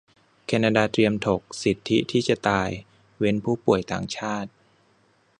แคนาดาเตรียมถก "สิทธิที่จะตาย" เว้นผู้ป่วยต่างชาติ